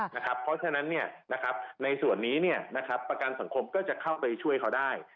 เพราะฉะนั้นในส่วนนี้ประกันสังคมก็จะเข้าไปช่วยเขาได้